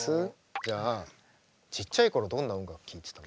じゃあちっちゃい頃どんな音楽聴いてたの？